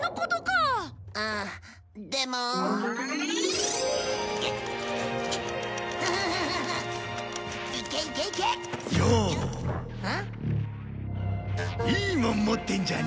いいもん持ってんじゃねえか。